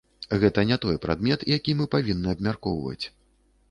Гэта не той прадмет, які мы павінны абмяркоўваць.